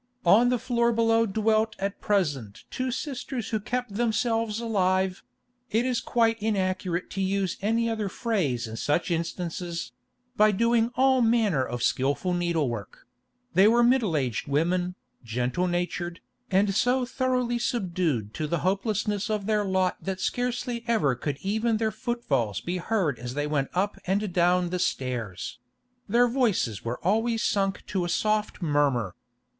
On the floor below dwelt at present two sisters who kept themselves alive (it is quite inaccurate to use any other phrase in such instances) by doing all manner of skilful needlework; they were middle aged women, gentle natured, and so thoroughly subdued to the hopelessness of their lot that scarcely ever could even their footfall be heard as they went up and down stairs; their voices were always sunk to a soft murmur.